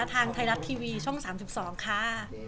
ทางไทยรัฐทีวีช่อง๓๒ค่ะ